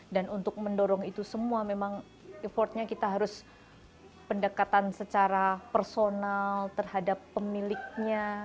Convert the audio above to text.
dan untuk mendorong itu semua memang effortnya kita harus pendekatan secara personal terhadap pemiliknya